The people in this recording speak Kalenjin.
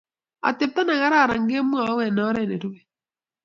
Atepto nekararan kemwou eng oree nerubei.